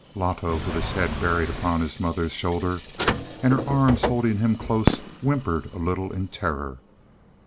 Loto, with his head buried upon his mother's shoulder, and her arms holding him close, whimpered a little in terror.